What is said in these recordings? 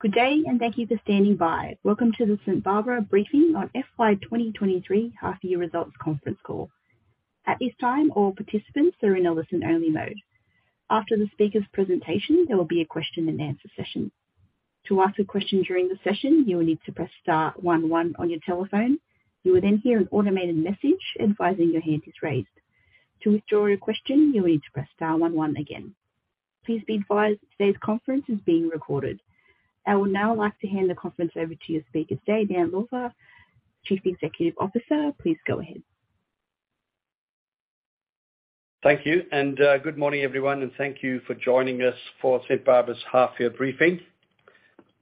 Good day. Thank you for standing by. Welcome to the St Barbara briefing on FY 2023 half-year results conference call. At this time, all participants are in a listen-only mode. After the speaker's presentation, there will be a question-and-answer session. To ask a question during the session, you will need to press star one one on your telephone. You will hear an automated message advising your hand is raised. To withdraw your question, you'll need to press star one one again. Please be advised today's conference is being recorded. I would now like to hand the conference over to your speaker today, Dan Lougher, Chief Executive Officer. Please go ahead. Thank you. Good morning, everyone, and thank you for joining us for St Barbara's half-year briefing.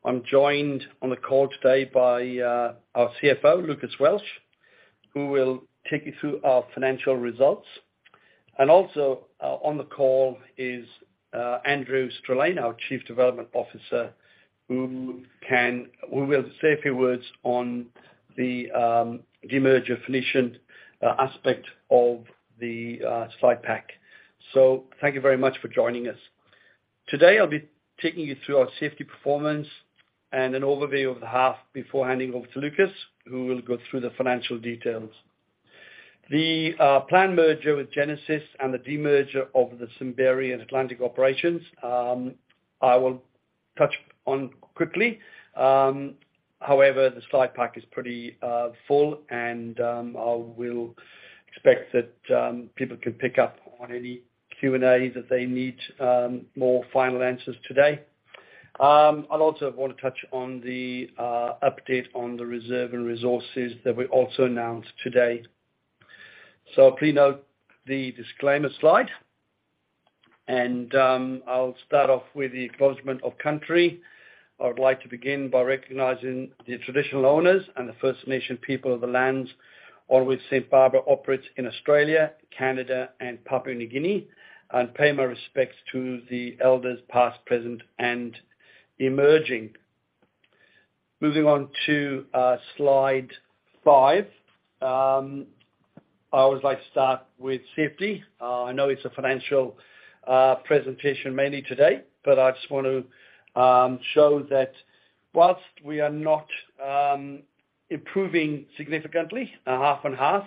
I'm joined on the call today by our CFO, Lucas Welsh, who will take you through our financial results. Also, on the call is Andrew Strelein, our Chief Development Officer, who will say a few words on the demerger finishing aspect of the slide pack. Thank you very much for joining us. Today, I'll be taking you through our safety performance and an overview of the half before handing over to Lucas, who will go through the financial details. The planned merger with Genesis and the demerger of the Simberi and Atlantic operations, I will touch on quickly. However, the slide pack is pretty full and I will expect that people can pick up on any Q&As if they need more final answers today. I'll also wanna touch on the update on the reserve and resources that we also announced today. Please note the disclaimer slide. I'll start off with the acknowledgement of country. I would like to begin by recognizing the traditional owners and the First Nations people of the lands on which St Barbara operates in Australia, Canada, and Papua New Guinea, and pay my respects to the elders past, present, and emerging. Moving on to slide 5. I always like to start with safety. I know it's a financial presentation mainly today, but I just want to show that whilst we are not improving significantly, half and half,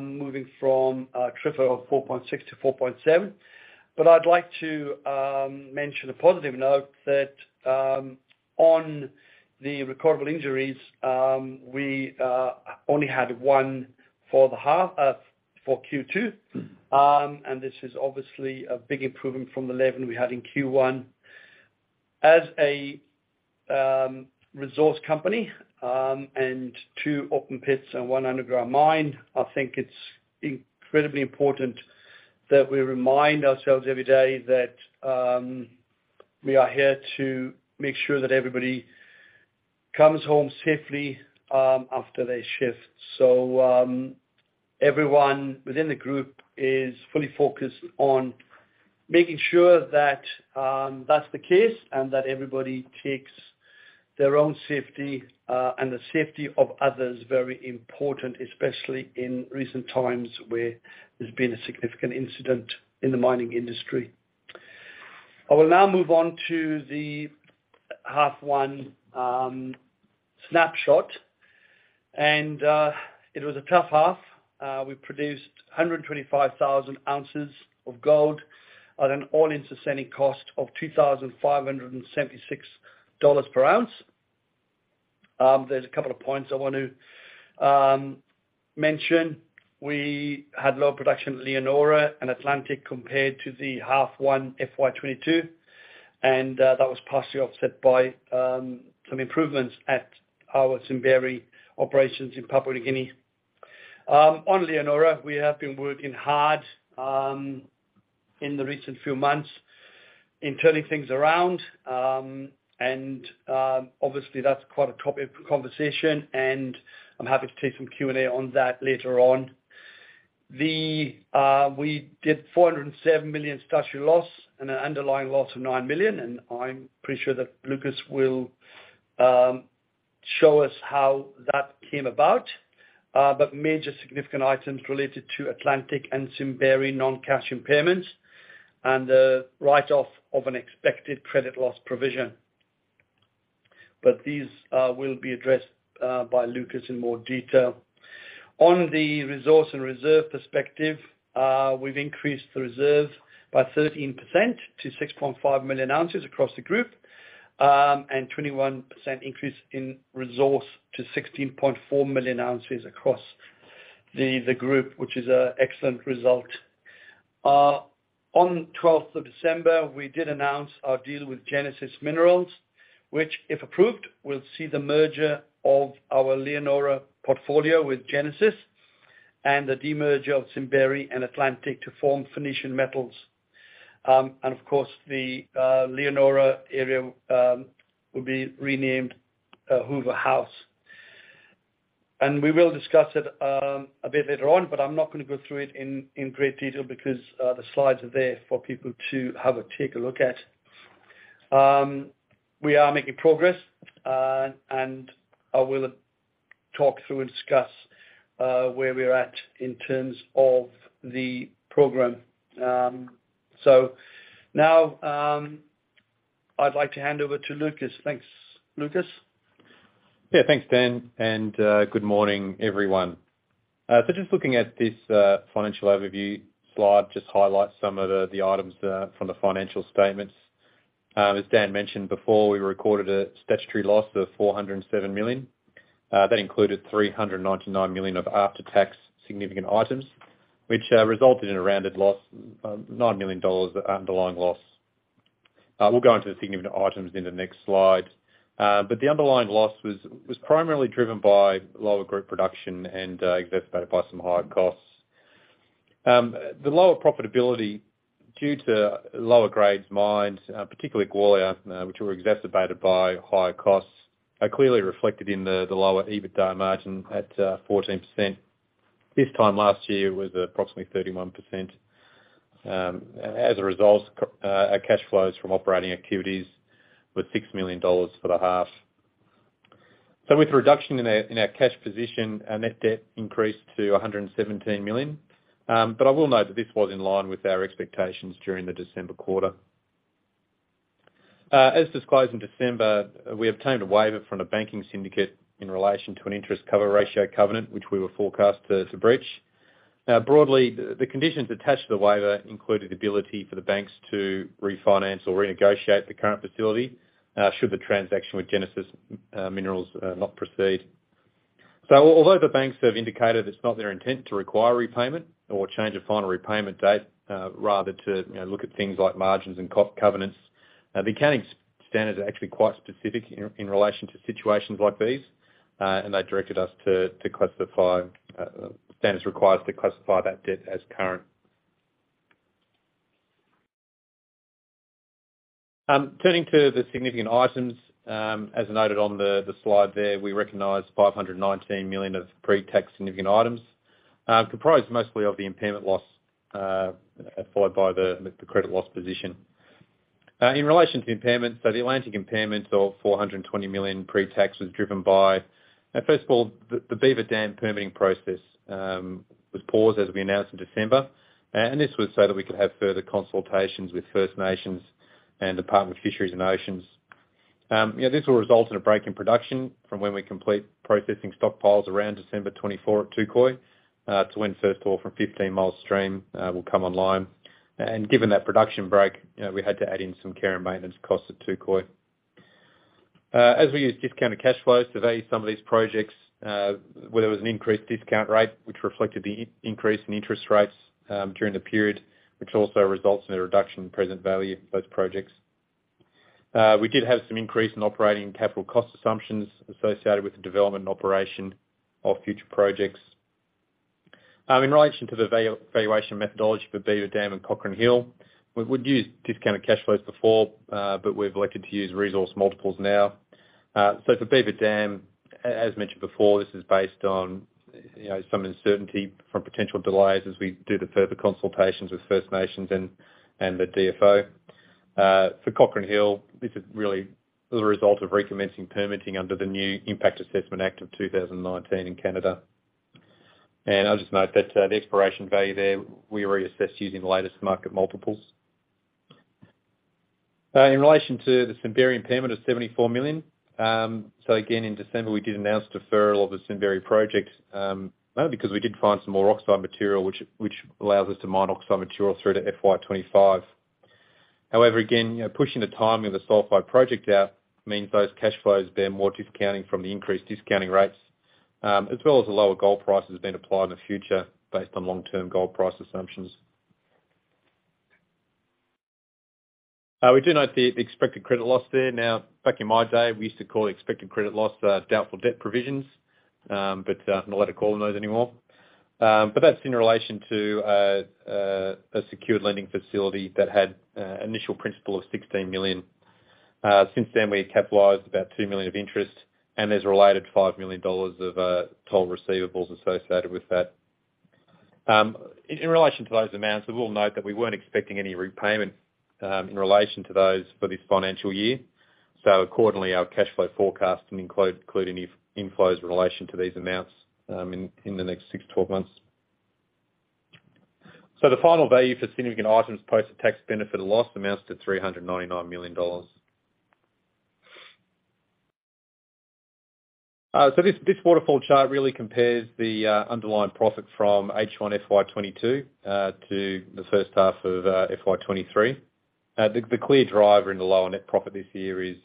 moving from a TRIFR of 4.6 to 4.7. I'd like to mention a positive note that on the recordable injuries, we only had 1 for the half for Q2. This is obviously a big improvement from the 11 we had in Q1. As a resource company, and 2 open pits and 1 underground mine, I think it's incredibly important that we remind ourselves every day that we are here to make sure that everybody comes home safely after their shift. Everyone within the group is fully focused on making sure that that's the case, and that everybody takes their own safety and the safety of others very important, especially in recent times where there's been a significant incident in the mining industry. I will now move on to the half one snapshot. It was a tough half. We produced 125,000 ounces of gold at an all-in sustaining cost of 2,576 dollars per ounce. There's a couple of points I want to mention. We had low production Leonora and Atlantic compared to the half one FY22, that was partially offset by some improvements at our Simberi operations in Papua New Guinea. On Leonora, we have been working hard in the recent few months in turning things around. Obviously that's quite a topic of conversation, and I'm happy to take some Q&A on that later on. We did 407 million statutory loss and an underlying loss of 9 million, and I'm pretty sure that Lucas will show us how that came about. Major significant items related to Atlantic and Simberi non-cash impairments and write-off of an expected credit loss provision. These will be addressed by Lucas in more detail. On the resource and reserve perspective, we've increased the reserve by 13% to 6.5 million ounces across the group, and 21% increase in resource to 16.4 million ounces across the group, which is an excellent result. On 12th of December, we did announce our deal with Genesis Minerals, which if approved, will see the merger of our Leonora portfolio with Genesis and the demerger of Simberi and Atlantic to form Phoenician Metals. Of course, the Leonora area will be renamed Hoover House. We will discuss it a bit later on, but I'm not gonna go through it in great detail because the slides are there for people to have a take a look at. We are making progress, and I will talk through and discuss where we're at in terms of the program. Now, I'd like to hand over to Lucas. Thanks. Lucas? Thanks, Dan, and good morning, everyone. Just looking at this financial overview slide, just highlight some of the items from the financial statements. As Dan mentioned before, we recorded a statutory loss of 407 million. That included 399 million of after-tax significant items, which resulted in a rounded loss of 9 million dollars underlying loss. We'll go into the significant items in the next slide. The underlying loss was primarily driven by lower group production and exacerbated by some higher costs. The lower profitability due to lower grades mined, particularly at Gwalia, which were exacerbated by higher costs, are clearly reflected in the lower EBITDA margin at 14%. This time last year was approximately 31%. As a result, our cash flows from operating activities were 6 million dollars for the half. With the reduction in our cash position, our net debt increased to 117 million. I will note that this was in line with our expectations during the December quarter. As disclosed in December, we obtained a waiver from a banking syndicate in relation to an interest cover ratio covenant, which we were forecast to breach. Broadly, the conditions attached to the waiver included the ability for the banks to refinance or renegotiate the current facility should the transaction with Genesis Minerals not proceed. Although the banks have indicated it's not their intent to require repayment or change of final repayment date, rather to, you know, look at things like margins and cost covenants, the accounting standards are actually quite specific in relation to situations like these, and standards require us to classify that debt as current. Turning to the significant items, as noted on the slide there, we recognized 519 million of pre-tax significant items, comprised mostly of the impairment loss, followed by the credit loss position. In relation to impairment, so the Atlantic impairment of 420 million pre-tax was driven by, first of all, the Beaver Dam permitting process, was paused as we announced in December. This was so that we could have further consultations with First Nations and Department of Fisheries and Oceans. You know, this will result in a break in production from when we complete processing stockpiles around December 24th at Touquoy, to when first ore from Fifteen Mile Stream will come online. Given that production break, you know, we had to add in some care and maintenance costs at Touquoy. As we use discounted cash flows to value some of these projects, where there was an increased discount rate, which reflected the increase in interest rates during the period, which also results in a reduction in present value of both projects. We did have some increase in operating capital cost assumptions associated with the development and operation of future projects. In relation to the valuation methodology for Beaver Dam and Cochrane Hill, we would use discounted cash flows before, we've elected to use resource multiples now. For Beaver Dam, as mentioned before, this is based on, you know, some uncertainty from potential delays as we do the further consultations with First Nations and the DFO. For Cochrane Hill, this is really as a result of recommencing permitting under the new Impact Assessment Act of 2019 in Canada. I'll just note that the exploration value there, we reassessed using the latest market multiples. In relation to the Simberi impairment of 74 million, again, in December, we did announce deferral of the Simberi project because we did find some more oxide material, which allows us to mine oxide material through to FY25. Again, you know, pushing the timing of the sulfide project out means those cash flows bear more discounting from the increased discounting rates, as well as the lower gold prices being applied in the future based on long-term gold price assumptions. We do note the expected credit loss there. Back in my day, we used to call expected credit loss doubtful debt provisions, but not allowed to call them those anymore. That's in relation to a secured lending facility that had initial principal of 16 million. Since then, we had capitalized about 2 million of interest, and there's a related 5 million dollars of toll receivables associated with that. In relation to those amounts, we will note that we weren't expecting any repayment in relation to those for this financial year. Accordingly, our cash flow forecast didn't include any if-inflows in relation to these amounts in the next 6 to 12 months. The final value for significant items post a tax benefit or loss amounts to 399 million dollars. This waterfall chart really compares the underlying profit from H1 FY 2022 to the first half of FY 2023. The clear driver in the lower net profit this year is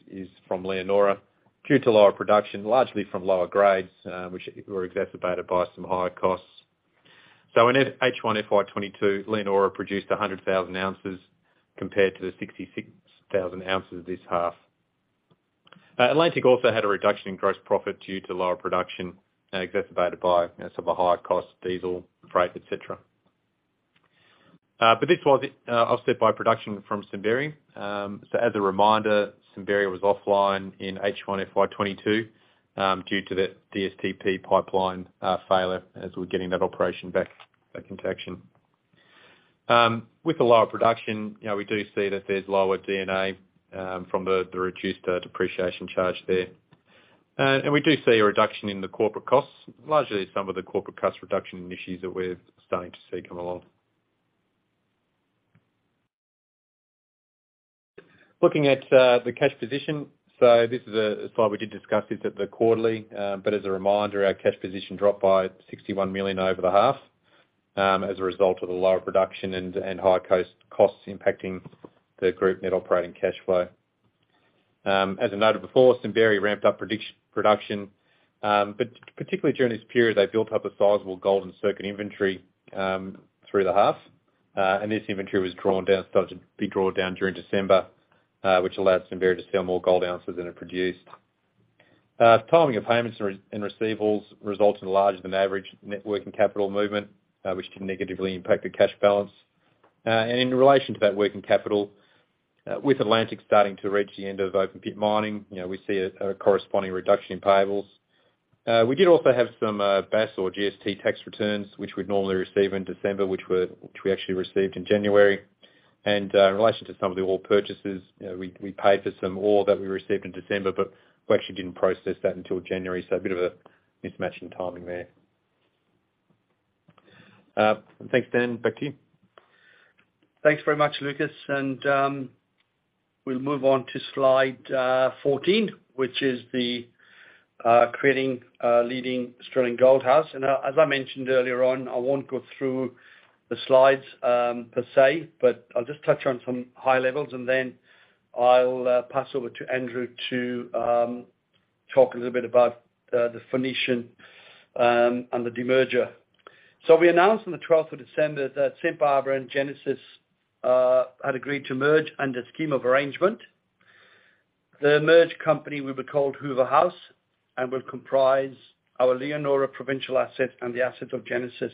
from Leonora due to lower production, largely from lower grades, which were exacerbated by some higher costs. In H1 FY 2022, Leonora produced 100,000 ounces compared to the 66,000 ounces this half. Atlantic also had a reduction in gross profit due to lower production and exacerbated by, you know, some of the higher costs, diesel, freight, et cetera. This was offset by production from Simberi. As a reminder, Simberi was offline in H1 FY2022 due to the DSTP pipeline failure as we're getting that operation back into action. With the lower production, you know, we do see that there's lower D&A from the reduced depreciation charge there. We do see a reduction in the corporate costs, largely some of the corporate cost reduction initiatives that we're starting to see come along. Looking at the cash position. This is a slide we did discuss this at the quarterly, as a reminder, our cash position dropped by 61 million over the half as a result of the lower production and higher costs impacting the group net operating cash flow. As I noted before, Simberi ramped up production, but particularly during this period, they built up a sizable gold in-circuit inventory through the half. This inventory was drawn down, started to be drawn down during December, which allowed Simberi to sell more gold ounces than it produced. Timing of payments and receivables results in larger than average networking capital movement, which can negatively impact the cash balance. In relation to that working capital, with Atlantic starting to reach the end of open pit mining, you know, we see a corresponding reduction in payables. We did also have some BAS or GST tax returns, which we'd normally receive in December, which we actually received in January. In relation to some of the ore purchases, you know, we paid for some ore that we received in December, but we actually didn't process that until January. A bit of a mismatch in timing there. Thanks Dan, back to you. Thanks very much, Lucas. We'll move on to slide 14, which is the creating a leading Australian gold house. As I mentioned earlier on, I won't go through the slides per se, but I'll just touch on some high levels, then I'll pass over to Andrew to talk a little bit about the Phoenician and the demerger. We announced on the 12th of December that St Barbara and Genesis had agreed to merge under the Scheme of Arrangement. The merged company will be called Hoover House and will comprise our Leonora provincial asset and the asset of Genesis.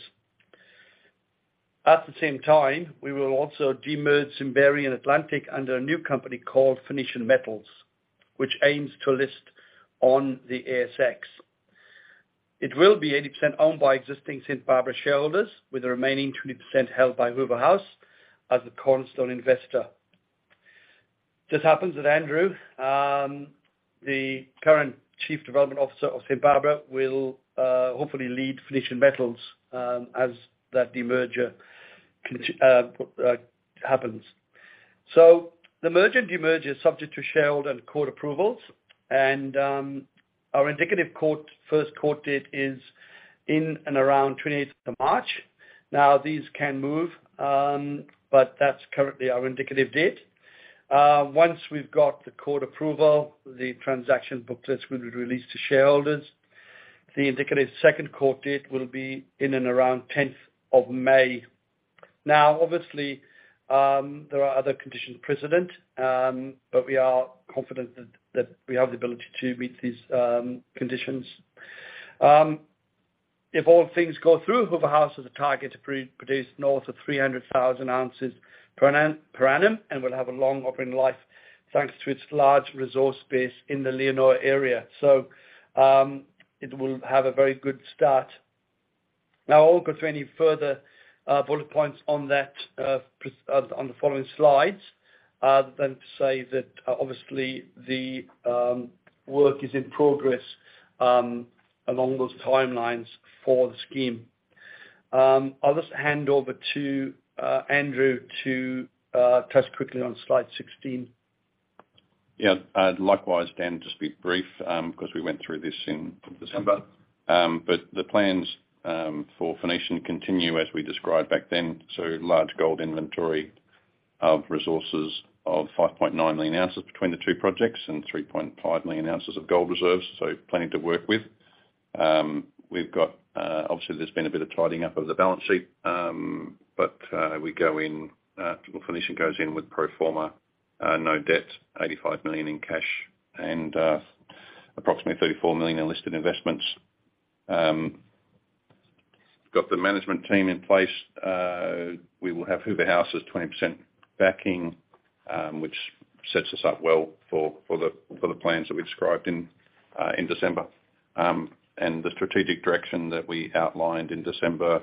At the same time, we will also demerge Simberi and Atlantic under a new company called Phoenician Metals, which aims to list on the ASX. It will be 80% owned by existing St. Barbara shareholders, with the remaining 20% held by Hoover House as a cornerstone investor. Just happens that Andrew, the current Chief Development Officer of St Barbara, will hopefully lead Phoenician Metals, as that demerger happens. The merge and demerge is subject to shareholder and court approvals and our indicative court, first court date is in and around 20th of March. These can move, but that's currently our indicative date. Once we've got the court approval, the transaction booklet will be released to shareholders. The indicative second court date will be in and around 10th of May. Obviously, there are other conditions precedent, but we are confident that we have the ability to meet these conditions. If all things go through, Hoover House has a target to pre-produce north of 300,000 ounces per annum, and will have a long operating life, thanks to its large resource base in the Leonora area. It will have a very good start. I won't go through any further bullet points on that on the following slides than to say that obviously the work is in progress along those timelines for the scheme. I'll just hand over to Andrew to touch quickly on slide 16. Yeah. I'd likewise, Dan, just be brief, 'cause we went through this in December. The plans for Phoenician continue as we described back then. Large gold inventory of resources of 5.9 million ounces between the two projects and 3.5 million ounces of gold reserves. Plenty to work with. We've got, obviously there's been a bit of tidying up of the balance sheet, Phoenician goes in with pro forma no debt, 85 million in cash and approximately 34 million in listed investments. Got the management team in place. We will have Hoover House's 20% backing, which sets us up well for the plans that we described in December. The strategic direction that we outlined in December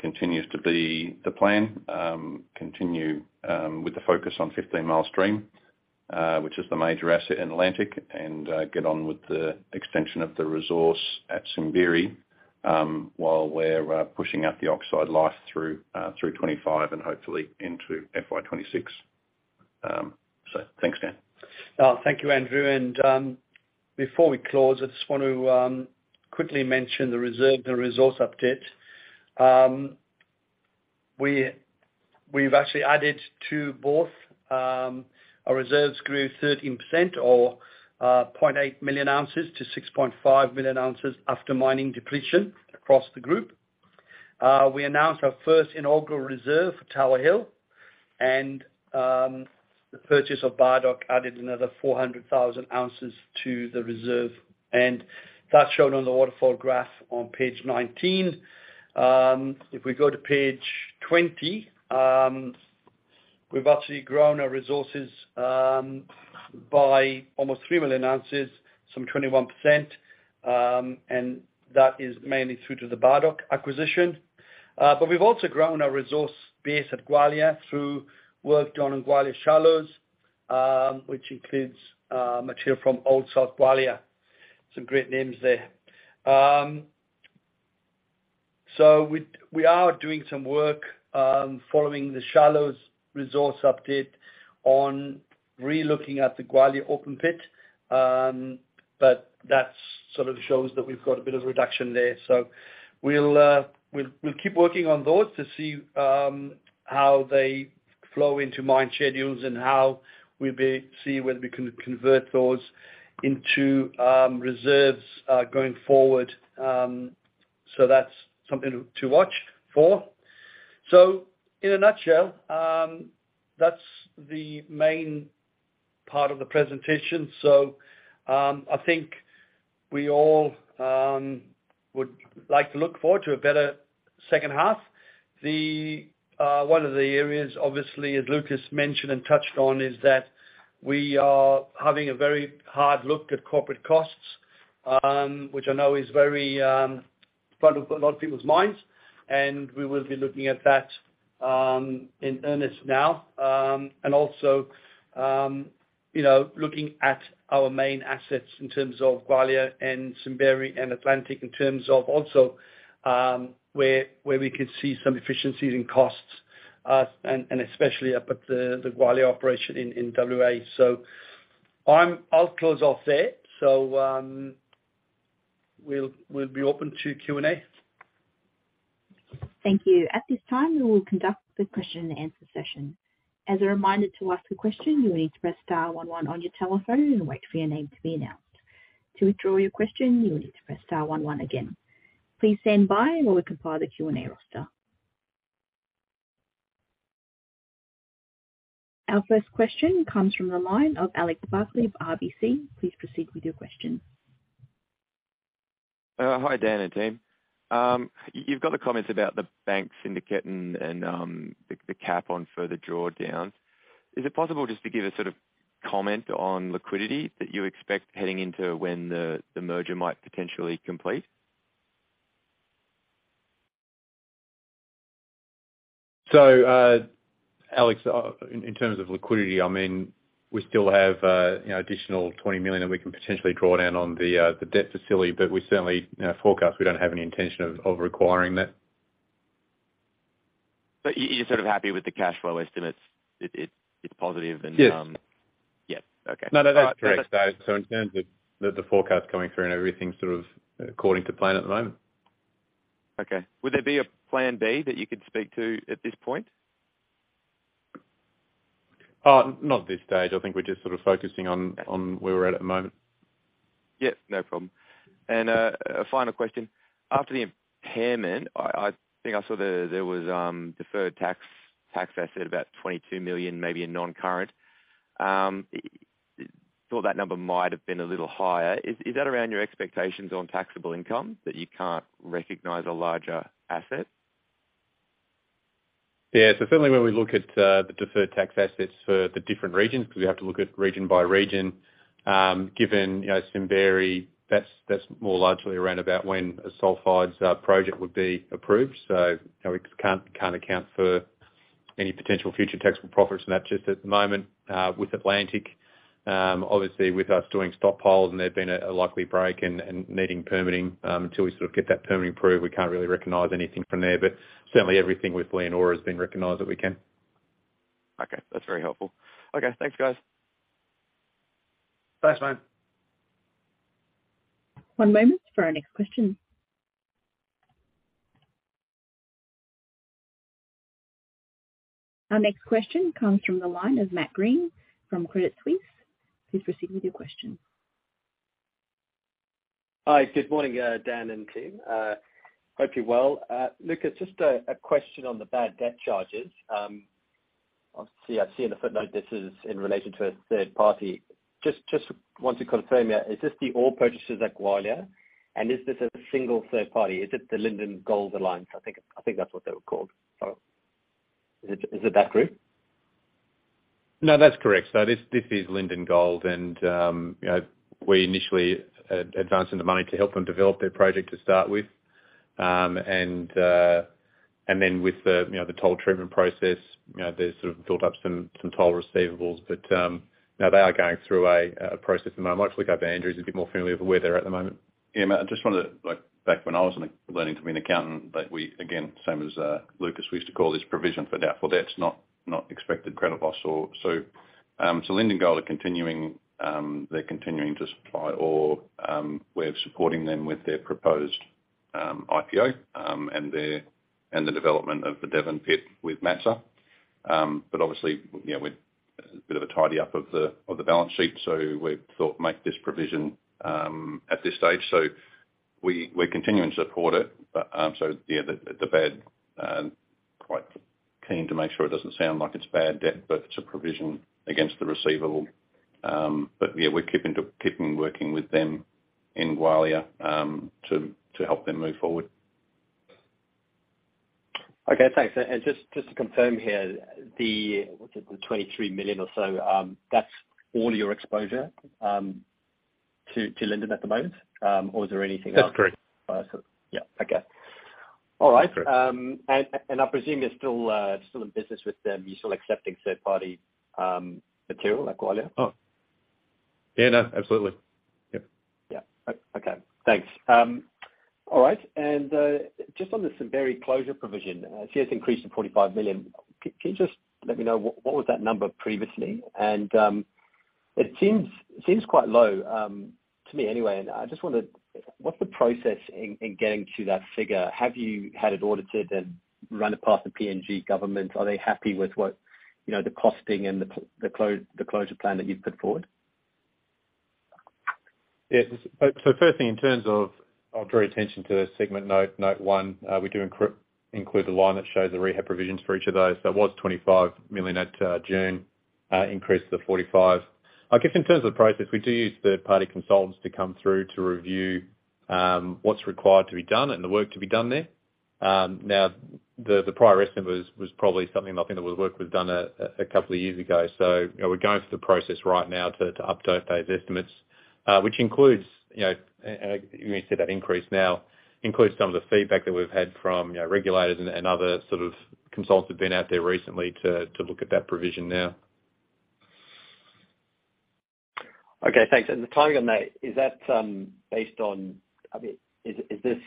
continues to be the plan. Continue with the focus on Fifteen Mile Stream, which is the major asset in Atlantic. Get on with the extension of the resource at Simberi while we're pushing out the oxide life through 2025 and hopefully into FY 2026. Thanks, Dan. Thank you Andrew. Before we close, I just want to quickly mention the reserve, the resource update. We've actually added to both. Our reserves grew 13% or 0.8 million ounces to 6.5 million ounces after mining depletion across the group. We announced our first inaugural reserve for Tower Hill. The purchase of Bardoc added another 400,000 ounces to the reserve, and that's shown on the waterfall graph on page 19. If we go to page 20. We've actually grown our resources by almost 3 million ounces, 21%, and that is mainly through to the Bardoc acquisition. We've also grown our resource base at Gwalia through work done on Gwalia Shallows, which includes material from Old South Gwalia. Some great names there. We are doing some work following the Shallows resource update on relooking at the Gwalia open pit, that sort of shows that we've got a bit of reduction there. We'll keep working on those to see how they flow into mine schedules and how we see whether we can convert those into reserves going forward. That's something to watch for. In a nutshell, that's the main part of the presentation. I think we all would like to look forward to a better second half. The one of the areas, obviously as Lucas mentioned and touched on, is that we are having a very hard look at corporate costs, which I know is very front of a lot of people's minds, and we will be looking at that in earnest now. You know, looking at our main assets in terms of Gwalia and Simberi and Atlantic, in terms of also, where we could see some efficiencies in costs, and especially up at the Gwalia operation in WA. I'll close off there. We'll be open to Q&A. Thank you. At this time, we will conduct the question and answer session. As a reminder to ask a question, you will need to press star one one on your telephone and wait for your name to be announced. To withdraw your question, you will need to press star one one again. Please stand by while we compile the Q&A roster. Our first question comes from the line of Alex Barclay of RBC. Please proceed with your question. Hi, Dan and team. You've got the comments about the bank syndicate and the cap on further drawdowns. Is it possible just to give a sort of comment on liquidity that you expect heading into when the merger might potentially complete? Alex, in terms of liquidity, I mean, we still have, you know, additional $20 million, and we can potentially draw down on the debt facility, but we certainly, in our forecast, we don't have any intention of requiring that. you're sort of happy with the cash flow estimates, it's positive and. Yes. Yeah. Okay. No, no, that's correct. In terms of the forecast coming through and everything sort of according to plan at the moment. Okay. Would there be a plan B that you could speak to at this point? Not at this stage. I think we're just sort of focusing on where we're at at the moment. Yeah, no problem. A final question. After the impairment, I think I saw there was deferred tax asset, about 22 million, maybe in non-current. Thought that number might have been a little higher. Is that around your expectations on taxable income, that you can't recognize a larger asset? Yeah. Certainly when we look at the deferred tax assets for the different regions, 'cause we have to look at region by region, given, you know, Simberi, that's more largely around about when a sulfides project would be approved. You know, we can't account for any potential future taxable profits from that just at the moment. With Atlantic, obviously with us doing stockpiles and there being a likely break and needing permitting, until we sort of get that permitting approved, we can't really recognize anything from there. Certainly everything with Leonora has been recognized that we can. Okay. That's very helpful. Okay. Thanks, guys. Thanks, mate. One moment for our next question. Our next question comes from the line of Matt Greene from Credit Suisse. Please proceed with your question. Hi. Good morning, Dan and team. Hope you're well. Lucas, just a question on the bad debt charges. Obviously I see in the footnote this is in relation to a third party. Just want to confirm, yeah, is this the ore purchasers at Gwalia? Is this a single third party? Is it the Linden Gold Alliance? I think that's what they were called. Sorry. Is it that group? That's correct. This is Linden Gold and, you know, we initially advanced them the money to help them develop their project to start with. With the, you know, the toll treatment process, you know, they've sort of built up some toll receivables. No, they are going through a process at the moment. I'll actually go to Andrew. He's a bit more familiar of where they're at at the moment. Yeah, Matt, I just wanted to. Like, back when I was learning to be an accountant, like we, again, same as Lucas, we used to call this provision for debts not expected credit loss. Linden Gold are continuing, they're continuing to supply ore. We're supporting them with their proposed IPO and the development of the Devon pit with MATSA. Obviously, you know, with a bit of a tidy up of the balance sheet, we thought make this provision at this stage. We're continuing to support it. Yeah, the bad, quite keen to make sure it doesn't sound like it's bad debt, it's a provision against the receivable. Yeah, we're keeping working with them in Gwalia, to help them move forward. Okay, thanks. Just to confirm here, the 23 million or so, that's all your exposure to Linden at the moment, or is there anything else? That's correct. Yeah. Okay. All right. Correct. I presume you're still in business with them. You're still accepting third party material like. Oh. Yeah, no, absolutely. Yep. Yeah. Okay. Thanks. All right. Just on the Simberi closure provision, CS increased to 45 million. Can you just let me know what was that number previously? It seems quite low to me anyway. I just wonder, what's the process in getting to that figure? Have you had it audited and run it past the PNG government? Are they happy with what, you know, the costing and the closure plan that you've put forward? First thing in terms of, I'll draw your attention to the segment note 1, we do include a line that shows the rehab provisions for each of those. That was 25 million at June, increased to 45 million. I guess in terms of the process, we do use third-party consultants to come through to review what's required to be done and the work to be done there. The prior estimate was probably something that I think that was work was done a couple of years ago. You know, we're going through the process right now to update those estimates, which includes, you know, and you can see that increase now, includes some of the feedback that we've had from, you know, regulators and other sort of consultants been out there recently to look at that provision now. Okay, thanks. The timing on that, is that, based on... I mean, is this...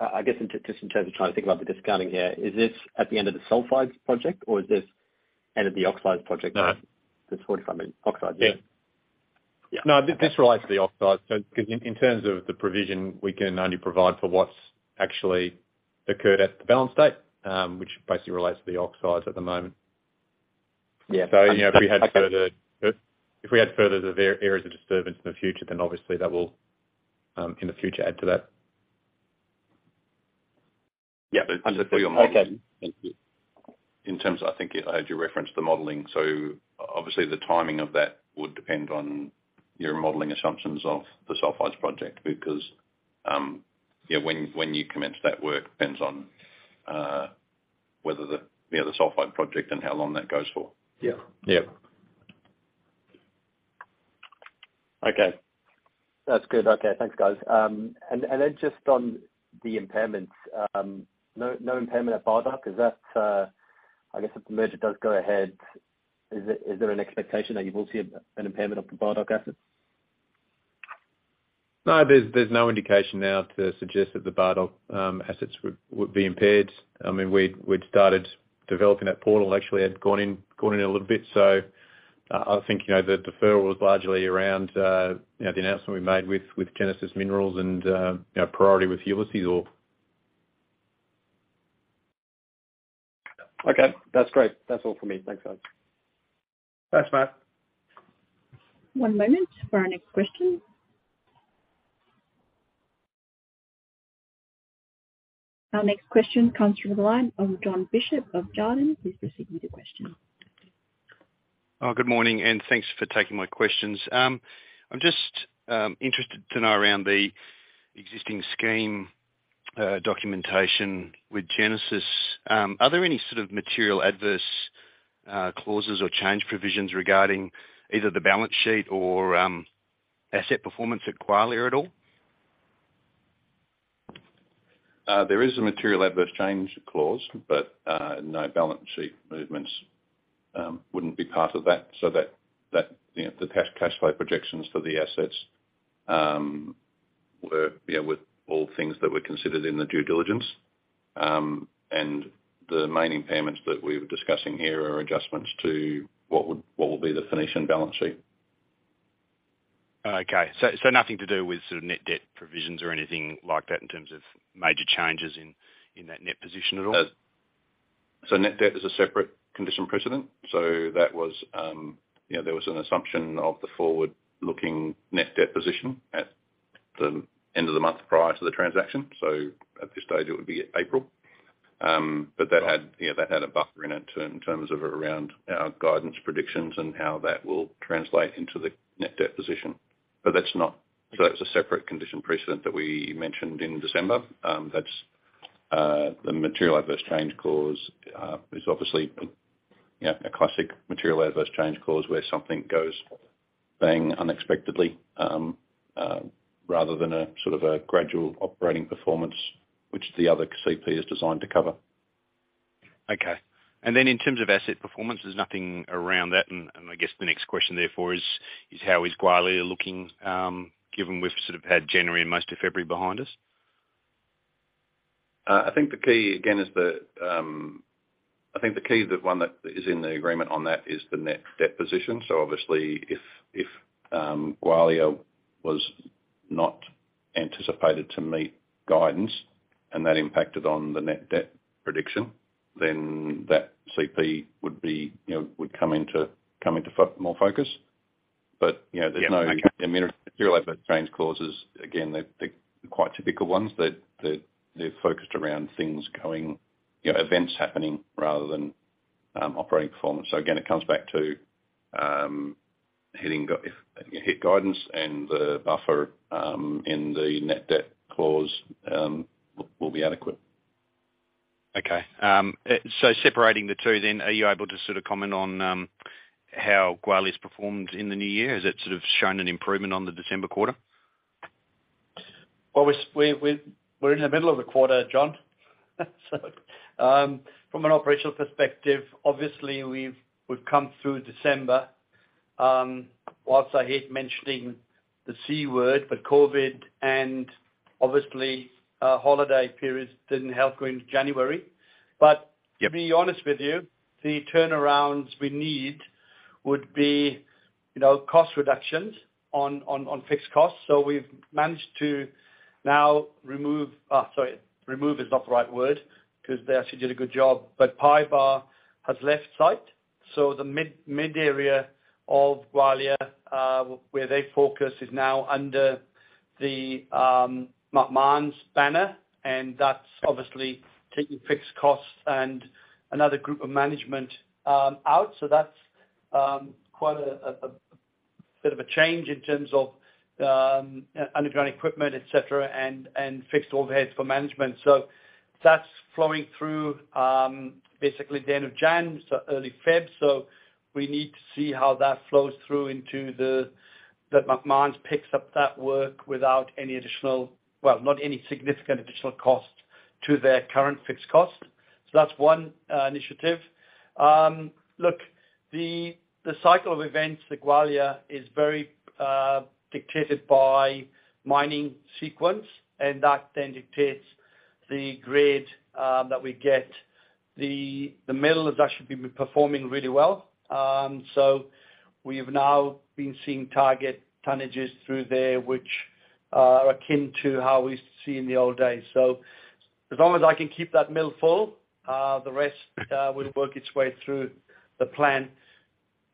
I guess in, just in terms of trying to think about the discounting here, is this at the end of the sulfides project, or is this end of the oxides project? No. This 45 million. oxides, yeah? Yeah. Yeah. No, this relates to the oxides. In terms of the provision, we can only provide for what's actually occurred at the balance date, which basically relates to the oxides at the moment. Yeah. you know, if we had further-. Okay. If we had further the areas of disturbance in the future, obviously that will in the future add to that. Yeah. Understood. Just for your modeling. Okay. Thank you. In terms of, I think I heard you reference the modeling, so obviously the timing of that would depend on your modeling assumptions of the sulfides project because, yeah, when you commence that work depends on, whether the, you know, the sulfide project and how long that goes for. Yeah. Yep. Okay. That's good. Okay. Thanks, guys. Then just on the impairments, no impairment at Bardoc. Is that, I guess if the merger does go ahead, is there an expectation that you will see an impairment of the Bardoc assets? No, there's no indication now to suggest that the Bardoc assets would be impaired. I mean, we'd started developing that portal. Actually I'd gone in a little bit, so I think, you know, the deferral was largely around, you know, the announcement we made with Genesis Minerals and, you know, priority with Ulysses ore. Okay. That's great. That's all for me. Thanks, guys. Thanks, Matt. One moment for our next question. Our next question comes through the line of Jon Bishop of Jarden. Please proceed with your question. Oh, good morning, and thanks for taking my questions. I'm just interested to know around the existing scheme documentation with Genesis. Are there any sort of material adverse clauses or change provisions regarding either the balance sheet or asset performance at Gwalia at all? There is a material adverse change clause, no balance sheet movements wouldn't be part of that. That, that, you know, the cash flow projections for the assets were, you know, were all things that were considered in the due diligence. The main impairments that we were discussing here are adjustments to what would, what will be the Phoenician balance sheet. Okay. nothing to do with sort of net debt provisions or anything like that in terms of major changes in that net position at all? Net debt is a separate condition precedent. That was, you know, there was an assumption of the forward-looking net debt position at the end of the month prior to the transaction. At this stage it would be April. That had, you know, that had a buffer in it in terms of around our guidance predictions and how that will translate into the net debt position. That's not. That's a separate condition precedent that we mentioned in December. That's the material adverse change clause is obviously, you know, a classic material adverse change clause where something goes bang unexpectedly, rather than a sort of a gradual operating performance, which the other CP is designed to cover. Okay. Then in terms of asset performance, there's nothing around that. I guess the next question therefore is how is Gwalia looking, given we've sort of had January and most of February behind us? I think the key, the one that is in the agreement on that is the net debt position. Obviously if Gwalia was not anticipated to meet guidance and that impacted on the net debt prediction, then that CP would come into more focus. There's no. Yeah. Okay. I mean, material adverse change clauses, again, they're quite typical ones that they're focused around things going, you know, events happening rather than operating performance. Again, it comes back to. Hitting hit guidance and the buffer in the net debt clause will be adequate. Okay. Separating the two, are you able to sort of comment on how Gwalia's performed in the new year? Has it sort of shown an improvement on the December quarter? We're in the middle of the quarter, Jon. From an operational perspective, obviously we've come through December, whilst I hate mentioning the C word, COVID and obviously holiday periods didn't help going into January. Yeah. To be honest with you, the turnarounds we need would be, you know, cost reductions on fixed costs. We've managed to now remove. Sorry, remove is not the right word 'cause they actually did a good job. PYBAR has left site, so the mid area of Gwalia, where they focus is now under the Macmahon's banner, and that's obviously taking fixed costs and another group of management out. That's quite a bit of a change in terms of underground equipment, et cetera, and fixed overheads for management. That's flowing through basically the end of January to early February. We need to see how that flows through into the that Macmahon picks up that work without any additional, well, not any significant additional cost to their current fixed cost. That's one initiative. Look, the cycle of events at Gwalia is very dictated by mining sequence, and that then dictates the grade that we get. The mill has actually been performing really well. We've now been seeing target tonnages through there, which are akin to how we used to see in the old days. As long as I can keep that mill full, the rest will work its way through the plan.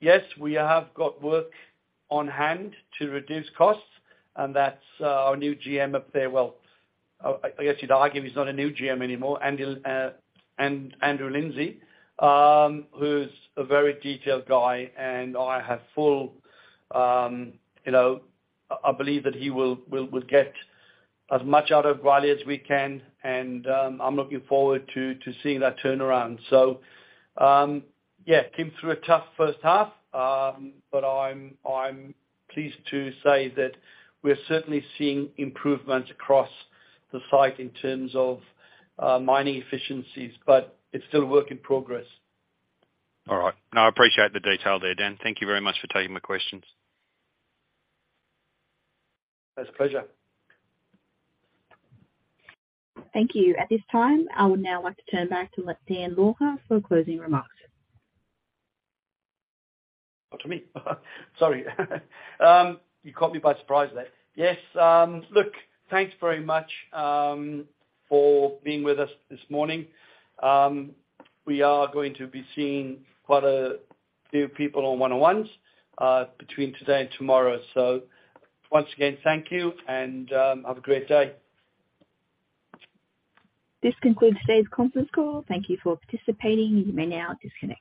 Yes, we have got work on hand to reduce costs and that's our new GM up there. Well, I guess you'd argue he's not a new GM anymore. Andrew Lindsay, who's a very detailed guy, and I have full, you know... I believe that he will get as much out of Gwalia as we can and, I'm looking forward to seeing that turnaround. Came through a tough first half. I'm pleased to say that we're certainly seeing improvements across the site in terms of mining efficiencies, but it's still a work in progress. All right. No, I appreciate the detail there, Dan. Thank you very much for taking my questions. It's a pleasure. Thank you. At this time, I would now like to turn back to Dan Lougher for closing remarks. To me. Sorry. You caught me by surprise there. Yes. Look, thanks very much for being with us this morning. We are going to be seeing quite a few people on one-on-ones between today and tomorrow. Once again, thank you and have a great day. This concludes today's conference call. Thank you for participating. You may now disconnect.